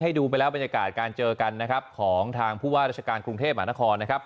ดูไปแล้วบรรยากาศการเจอกันนะครับของทางผู้ว่าราชการกรุงเทพมหานครนะครับ